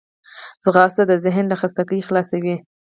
ځغاسته د ذهن له خستګي خلاصوي